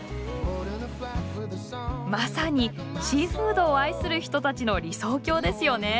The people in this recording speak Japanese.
まさにシーフードを愛する人たちの理想郷ですよね。